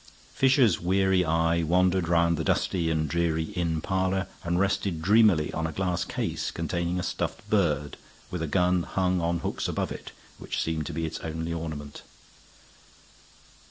Fisher's weary eye wandered round the dusty and dreary inn parlor and rested dreamily on a glass case containing a stuffed bird, with a gun hung on hooks above it, which seemed to be its only ornament.